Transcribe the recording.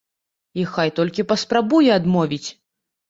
І хай толькі паспрабуе адмовіць.